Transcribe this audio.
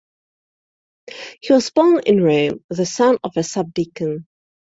He was born in Rome, the son of a subdeacon.